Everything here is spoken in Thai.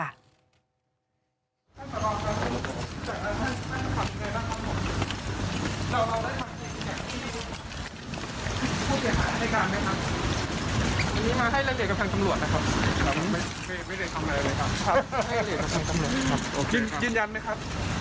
ไม่ได้ทำอะไรเลยครับยินยันไหมครับ